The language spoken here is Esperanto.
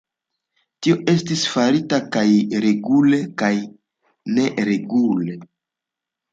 Tio estis farita kaj regule kaj neregule.